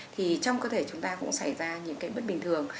thì trong cơ thể chúng ta cũng xảy ra những cái bất bình thường